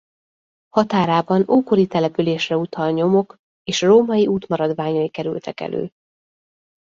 Határában ókori településre utal nyomok és római út maradványai kerültek elő.